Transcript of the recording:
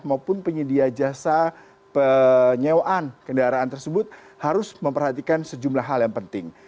maupun penyedia jasa penyewaan kendaraan tersebut harus memperhatikan sejumlah hal yang penting